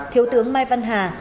thiếu tướng mai văn hà